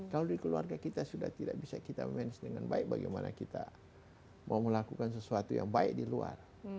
kalau di keluarga kita sudah tidak bisa kita manage dengan baik bagaimana kita mau melakukan sesuatu yang baik di luar